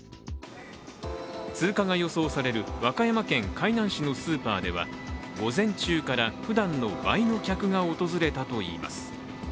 通過が予想される和歌山県海南市のスーパーでは午前中からふだんの倍の客が訪れたといいます。